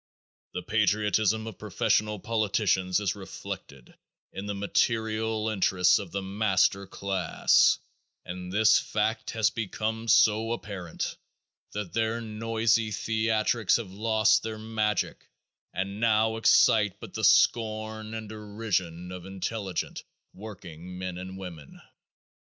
The patriotism of professional politicians is reflected in the material interests of the master class and this fact has become so apparent that their noisy theatricals have lost their magic and now excite but the scorn and derision of intelligent working men and women.